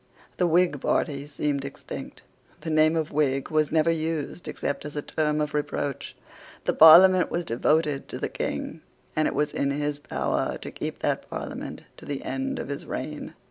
The Whig party seemed extinct. The name of Whig was never used except as a term of reproach. The Parliament was devoted to the King; and it was in his power to keep that Parliament to the end of his reign.